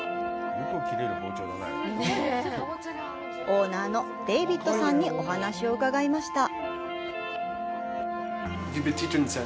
オーナーのディヴィットさんにお話を伺いました。